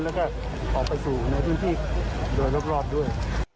แล้วก็ออกไปสู่ในพื้นที่โดยรอบด้วย